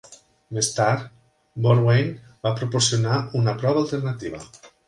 Més tard, Borwein va proporcionar una prova alternativa.